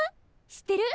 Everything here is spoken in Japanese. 知ってる？